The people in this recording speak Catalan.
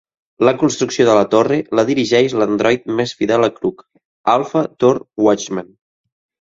La construcció de la torre la dirigeix l'android més fidel de Krug, Alpha Thor Watchman.